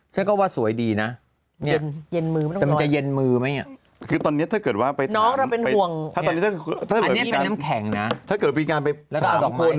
ถ้าเกิดว่าการไปถามคน